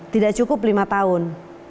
tidak cukup lima tahun